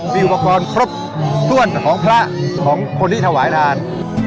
มีอุปกรณ์ครบถ้วนของพระของคนที่ถวายทาน